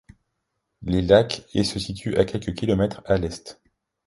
Les lacs et se situent à quelques kilomètres à l'est.